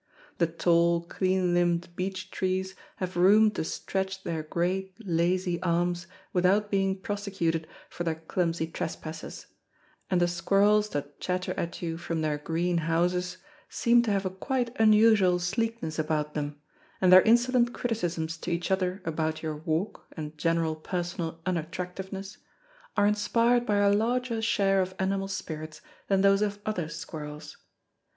The tall, clean limbed beech trees have room to stretch their great, lazy arms without being prosecuted for their clumsy trespasses, and the squirrels that chatter at you from their green houses seem to have a quite unusual sleekness about them, and their insolent criticisms to each other about your walk, and general personal unattractiveness, are inspired by a larger share of animal spirits than those of other squirrels.